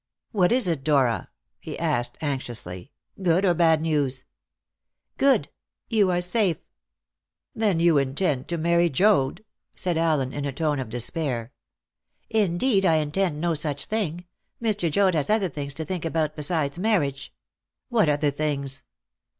"What is it, Dora?" he asked anxiously; "good or bad news?" "Good! You are safe!" "Then you intend to marry Joad?" said Allen in a tone of despair. "Indeed, I intend no such thing! Mr. Joad has other things to think about besides marriage." "What other things?"